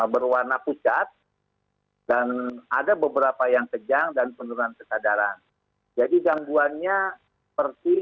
berwarna pucat dan ada beberapa yang kejang dan penurunan kesadaran jadi gangguannya seperti